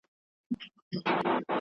نوي پرمختګونه وګورئ.